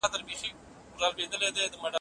که خاوند د هغې انکار ومني نو بيا به څه کوي؟